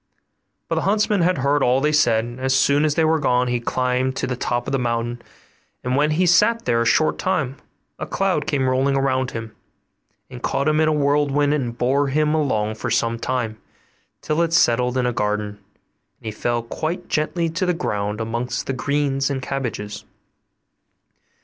But the huntsman had heard all they said; and as soon as they were gone, he climbed to the top of the mountain, and when he had sat there a short time a cloud came rolling around him, and caught him in a whirlwind and bore him along for some time, till it settled in a garden, and he fell quite gently to the ground amongst the greens and cabbages.